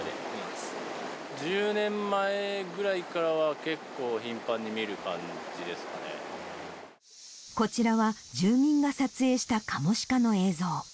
１０年前ぐらいからは、こちらは、住民が撮影したカモシカの映像。